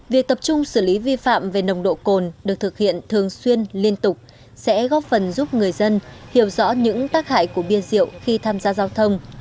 việc tập trung xử lý vi phạm về nồng độ cồn được thực hiện thường xuyên liên tục sẽ góp phần giúp người dân hiểu rõ những tác hại của bia rượu khi tham gia giao thông